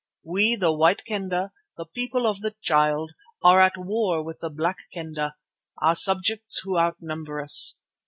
We, the White Kendah, the People of the Child, are at war with the Black Kendah, our subjects who outnumber us.